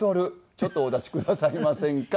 ちょっとお出しくださいませんか」と。